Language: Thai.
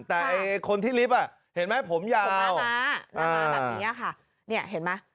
แต่ไอ้คนที่ลิฟต์อ่ะเห็นไหมผมยาวมาแบบนี้ค่ะเนี่ยเห็นไหม